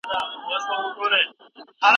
که په موضوع پوه نه وې نو بل لارښود وګوره.